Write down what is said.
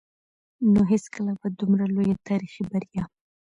نو هېڅکله به دومره لويه تاريخي بريا